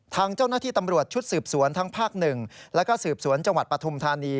ทางเจ้าหน้าที่ตำรวจชุดสืบสวนทั้งภาค๑แล้วก็สืบสวนจังหวัดปฐุมธานี